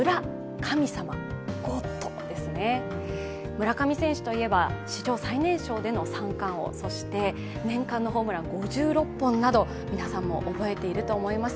村上選手といえば、史上最年少での三冠王、そして年間のホームラン５６本など、皆さんも覚えていると思います。